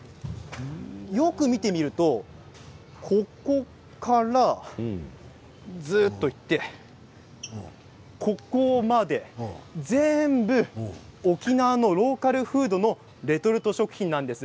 よく見てみるとここから、ここまで全部沖縄のローカルフードのレトルト食品なんです。